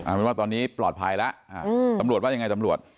เป็นว่าตอนนี้ปลอดภัยแล้วตำรวจว่ายังไงตำรวจ